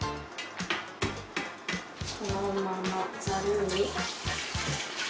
このままザルに。